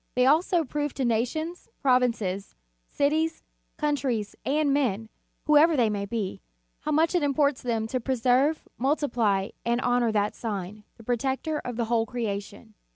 They also prove to nations, provinces, cities, countries, and men, whoever they may be, how much it imports them to preserve, multiply, and honor that sign, the protector of the whole creation.